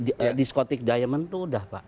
maaf diskotik diamond itu sudah pak